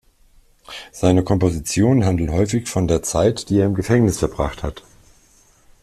Seine Kompositionen handeln häufig von der Zeit, die er im Gefängnis verbracht hat.